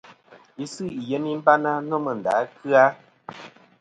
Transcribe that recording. Isɨ i yemi bana nomɨ nda kɨ-a.